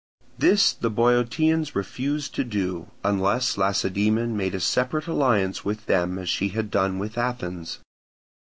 This the Boeotians refused to do, unless Lacedaemon made a separate alliance with them as she had done with Athens.